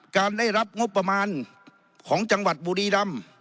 การได้รับงบประมาณของจังหวัดบุรีรำ